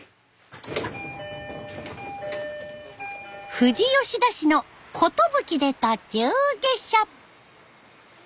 富士吉田市の寿で途中下車。